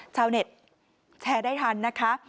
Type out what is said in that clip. ชาวเน็ตแชร์ได้ทันนะคะ